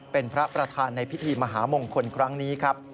เป็นพระประธานในพิธีมหามงคลครั้งนี้ครับ